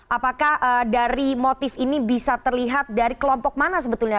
apakah dari motif ini bisa terlihat dari kelompok mana sebetulnya